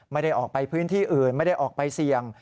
ไม่ได้ออกไปพื้นที่อื่นไม่ได้ออกไปเสี่ยง